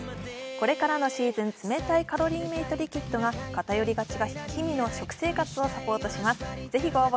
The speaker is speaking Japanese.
これからのシーズン、冷たいカロリーメイトリキッドが偏りがちな日々の食生活をサポートします。